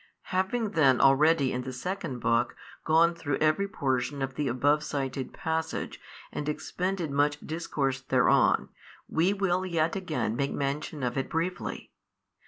Having then already in the second book gone through every portion of the above cited passage and expended much discourse thereon, we will yet again make mention of it briefly 7.